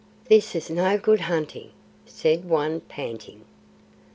"This is no good hunting," said one, panting.